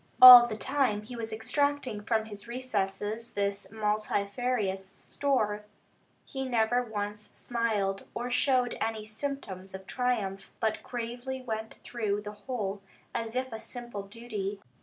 All the time he was extracting from his recesses this multifarious store, he never once smiled, or showed any symptoms of triumph, but gravely went through the whole, as if a simple duty.